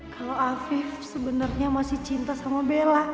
kalau afif sebenarnya masih cinta sama bella